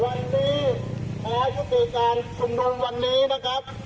วันนี้นะฮะยุติการชุมนุมวันนี้นะครับ